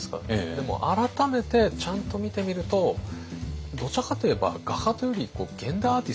でも改めてちゃんと見てみるとどちらかと言えば画家というより現代アーティストっていうんですか？